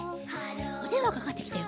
おでんわかかってきたよ。